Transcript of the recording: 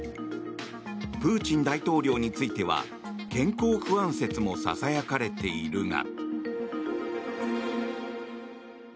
プーチン大統領については健康不安説もささやかれているが。